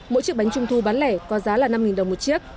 mỗi chiếc bánh trung thu bán lẻ có giá là năm đồng một chiếc